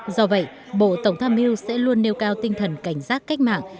do vậy bộ tổng tham mưu sẽ luôn nêu cao tinh thần cảnh giác cách mạng